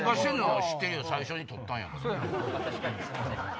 最初に取ったんやから。